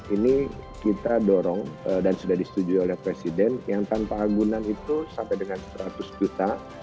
ini kita dorong dan sudah disetujui oleh presiden yang tanpa agunan itu sampai dengan seratus juta